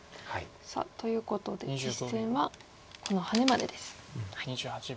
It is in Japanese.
さあということで実戦はこのハネまでです。